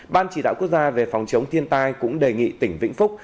ban chỉ đạo quốc gia về phòng chống thiên tai cũng đề nghị tỉnh vĩnh phúc